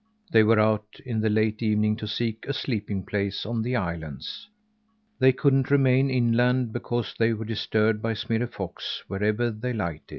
They were out in the late evening to seek a sleeping place on the islands. They couldn't remain inland because they were disturbed by Smirre Fox wherever they lighted.